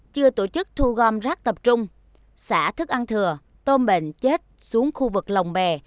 chưa tổ chức thu gom rác tập trung xả thức ăn thừa tôm bệnh chết xuống khu vực lòng bè